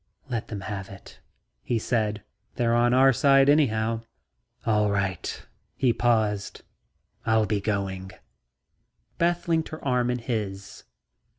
"Let them have it," he said. "They're on our side anyhow." "All right." He paused. "I'll be going..." Beth linked her arm in his.